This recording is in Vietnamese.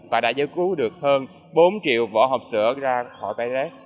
và đã giới cứu được hơn bốn triệu võ học sửa ra khỏi tai rác